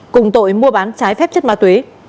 cùng tội mua bán trái phép chất ma túy